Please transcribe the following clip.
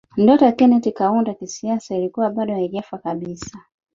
Ndoto ya Kenneth Kaunda kisiasa ilikuwa bado haijafa kabisa